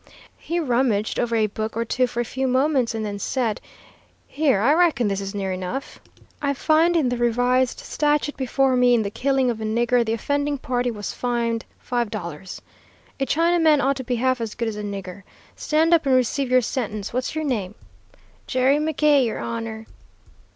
"He rummaged over a book or two for a few moments and then said, 'Here, I reckon this is near enough. I find in the revised statute before me, in the killing of a nigger the offending party was fined five dollars. A Chinaman ought to be half as good as a nigger. Stand up and receive your sentence. What's your name?' "'Jerry McKay, your Honor.'